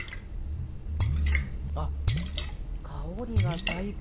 あっ、香りが最高。